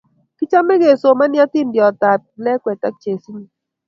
Kichome kesomani atindiondetab kiplekwe ak chesinye